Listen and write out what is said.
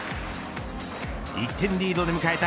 １点リードで迎えた